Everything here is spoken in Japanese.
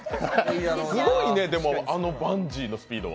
すごいね、あのバンジーのスピードは。